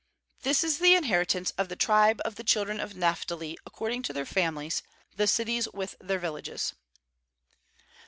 39This is the inheritance of the tribe of the children of Naphtali according to their families, the cities with their villages.